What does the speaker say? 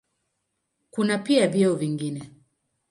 Kuna pia vyeo vingine.